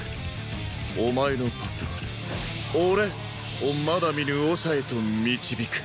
お前のパスは俺をまだ見ぬオシャへと導く。